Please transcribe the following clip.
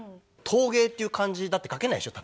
「陶芸」っていう漢字だって書けないでしょ？